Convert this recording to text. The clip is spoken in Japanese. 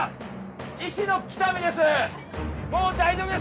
医師の喜多見です